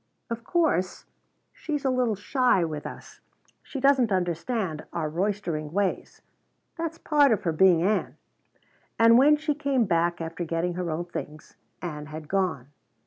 Of course, she's a little shy with us she doesn't understand our roistering ways that's part of her being Ann." But when she came back after getting her own things, Ann had gone.